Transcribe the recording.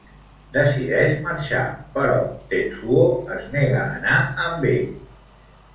Decideix marxar, però Tetsuo es nega a anar amb ell.